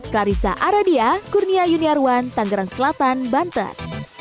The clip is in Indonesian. clarissa aradia kurnia yuniarwan tanggerang selatan banten